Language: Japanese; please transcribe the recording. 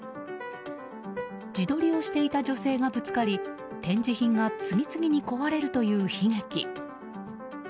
自撮りをしていた女性がぶつかり展示品が次々に壊れるという悲劇。